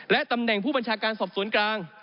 ตำแหน่งผู้บัญชาการสอบสวนกลาง